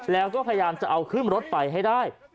แล้วก็พยายามจะเอาขึ้นรถไปให้ได้